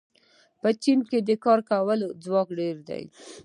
په چین کې د کار کولو ځواک ډېر دی.